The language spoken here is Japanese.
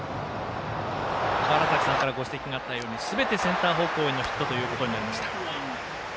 川原崎さんからご指摘があったようにすべてセンター方向への打球ということになりました。